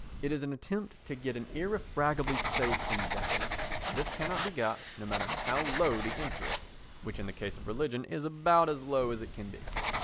It is an attempt to get an irrefragably safe investment, and this cannot be got, no matter how low the interest, which in the case of religion is about as low as it can be.